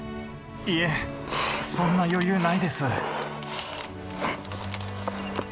いえそんな余裕ないです。